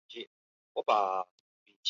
曾祖父周余庆。